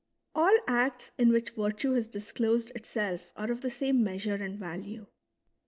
All acts in which virtue has disclosed itself are of the same measure and value.